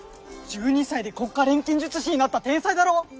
１２歳で国家錬金術師になった天才だろ？